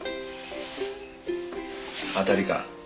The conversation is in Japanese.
当たりか。